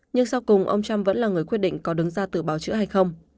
nhưng sau cùng ông trump vẫn là người quyết định có đứng ra tự bào chữa hay không